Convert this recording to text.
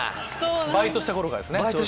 バイトした頃からですね。